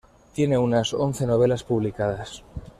Tiene unas once novelas publicadas.